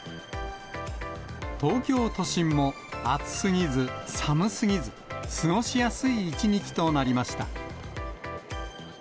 東京都心も暑すぎず、寒すぎず、過ごしやすい一日となりました。